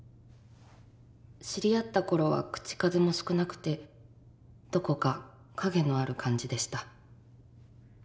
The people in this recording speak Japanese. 知り合った頃は口数も少なくてどこか影のある感じでした。